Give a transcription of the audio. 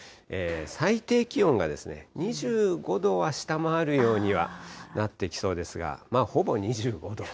最低気温が２５度は下回るようにはなってきそうですが、ほぼ２５度。